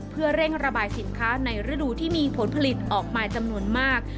เพื่อเร่งระบายสินค้าในฤดูที่มีผลผลิตออกมาจำนวนมาก